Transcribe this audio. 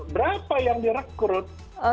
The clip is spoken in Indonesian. berapa yang direkrut